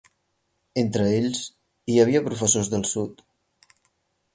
Entre ells, hi havia professors del sud.